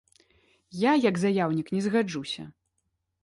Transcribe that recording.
Я, як заяўнік, не згаджуся.